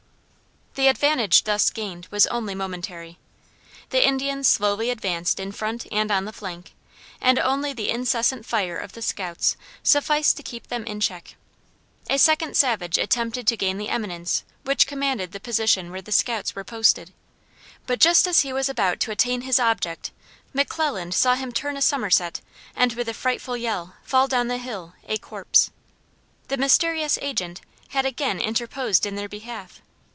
The advantage thus gained was only momentary. The Indians slowly advanced in front and on the flank, and only the incessant fire of the scouts sufficed to keep them in check. A second savage attempted to gain the eminence which commanded the position where the scouts were posted, but just as he was about to attain his object, McClelland saw him turn a summerset, and, with a frightful yell, fall down the hill, a corpse. The mysterious agent had again interposed in their behalf.